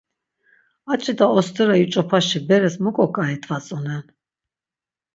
A ç̆ita ostera yuç̆opaşi beres muk̆o k̆ai dvatzonen!